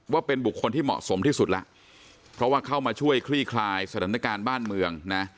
ว่าเป็นบุคคลที่เหมาะสมที่สุดแล้วเพราะว่าเข้ามาช่วยคลี่คลายสถานการณ์บ้านเมืองนะ